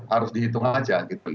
harus dihitung aja